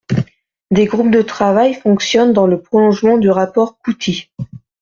Des groupes de travail fonctionnent dans le prolongement du rapport Couty.